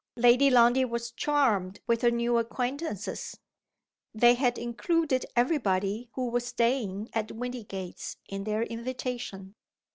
Lady Lundie was charmed with her new acquaintances. They had included every body who was staying at Windygates in their invitation.